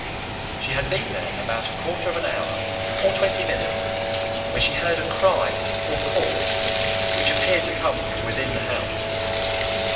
She had been there about a quarter of an hour or twenty minutes when she heard a cry or call, which appeared to come from within the house.